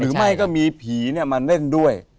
หรือไม่ก็มีผีมาเล่นด้วย